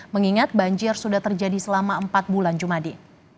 mengingat banjir sudah terjadi selama empat bulan jumadi